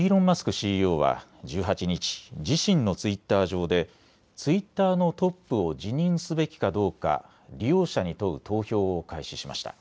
ＣＥＯは１８日、自身のツイッター上でツイッターのトップを辞任すべきかどうか利用者に問う投票を開始しました。